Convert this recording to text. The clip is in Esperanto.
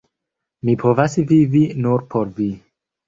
Mi povas vivi nur por vi!